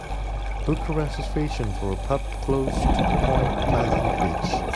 Book a reservation for a pub close to Point Pleasant Beach